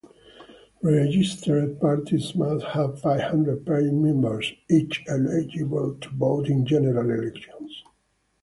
Registered parties must have five-hundred paying members, each eligible to vote in general elections.